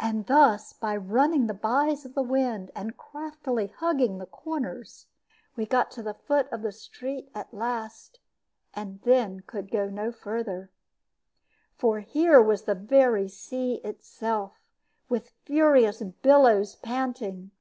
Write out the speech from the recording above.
And thus, by running the byes of the wind, and craftily hugging the corners, we got to the foot of the street at last, and then could go no further. For here was the very sea itself, with furious billows panting.